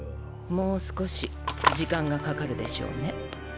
もう少し時間がかかるでしょうね。